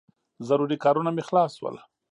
ضروري کارونه مې خلاص شول.